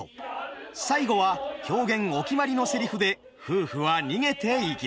最後は狂言お決まりのセリフで夫婦は逃げていきます。